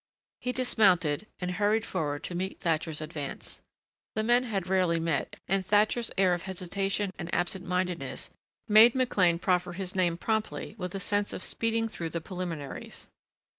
He dismounted and hurried forward to meet Thatcher's advance. The men had rarely met and Thatcher's air of hesitation and absent mindedness made McLean proffer his name promptly with a sense of speeding through the preliminaries.